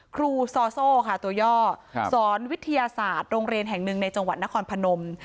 ครูซอโซ่ค่ะตัวย่อสอนวิทยาศาสตร์โรงเรียนแห่งหนึ่งในจังหวัดนครพนม